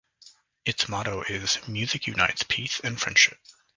Its motto is "Music Unites Peace and Friendship".